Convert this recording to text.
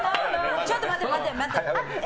ちょっと待って、待って。